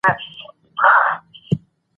نورګل کاکا: هو خورې خېرخېرت دى.